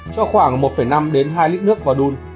cho khoảng một năm hai lít nước vào đun